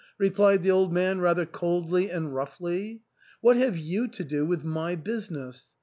replied the old man rather coldly and roughly, "what have you to do with my business